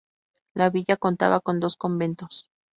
La Villa contaba con dos conventos.